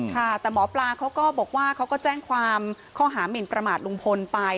ค่ะแต่หมอปลาเขาก็บอกว่าเขาก็แจ้งความข้อหามินประมาทลุงพลไป